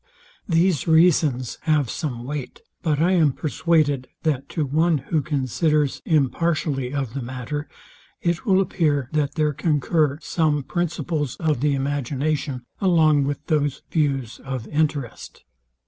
These reasons have some weight; but I am persuaded, that to one, who considers impartially of the matter, it will appear, that there concur some principles of the imagination, along with those views of interest.